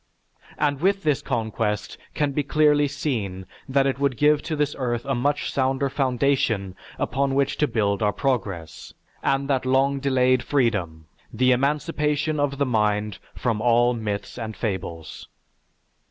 And with this conquest can be clearly seen that it would give to this earth a much sounder foundation upon which to build our progress, and that long delayed freedom, the emancipation of the mind from all myths and fables.